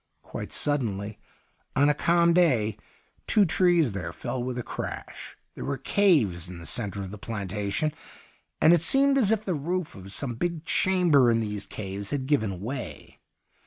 Quite suddenly, on a calm day, two trees there fell with a crash ; there were caves in the centre of the plantation, and it seemed as if the roof of some big chamber in these caves had given way.